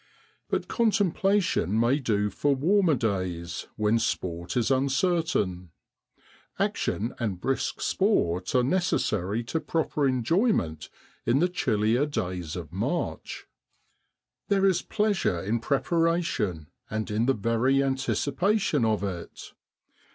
But contemplation may do for warmer days when sport is uncertain; action and brisk sport are necessary to proper enjoyment in the chillier days of March. There is pleasure in prepara tion and in the very anticipation of it.